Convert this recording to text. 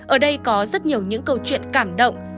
ở đây có rất nhiều những câu chuyện cảm động